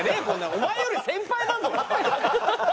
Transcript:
お前より先輩だぞ。